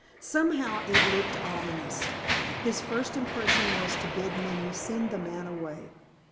Somehow, it looked ominous. His first impression was to bid Minnie send the man away.